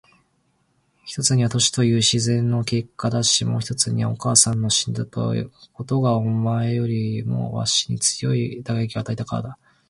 一つには年という自然の結果だし、もう一つにはお母さんの死んだことがお前よりもわしに強い打撃を与えたからだ。